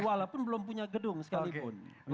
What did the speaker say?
walaupun belum punya gedung sekalipun